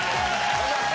お願いします